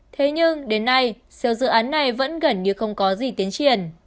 thế nhưng đến nay siêu dự án này vẫn gần như không còn